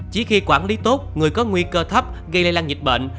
chỉ khi quản lý tốt người có nguy cơ thấp gây lây lan dịch bệnh